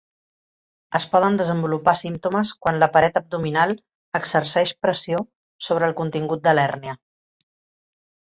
Es poden desenvolupar símptomes quan la paret abdominal exerceix pressió sobre el contingut de l'hèrnia.